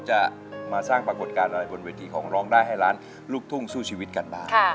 จะมาสร้างปรากฏการณ์อะไรบนเวทีของร้องได้ให้ล้านลูกทุ่งสู้ชีวิตกันบ้าง